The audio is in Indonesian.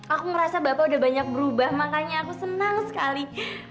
aku merasa bapak udah banyak berubah makanya aku senang sekali